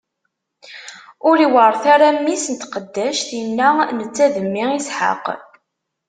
Ur iweṛṛet ara mmi-s n tqeddact-inna netta d mmi Isḥaq!